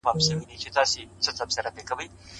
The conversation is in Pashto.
دښایستونو خدایه اور ته به مي سم نیسې،